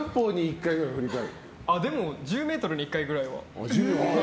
でも１０ｍに１回ぐらいは。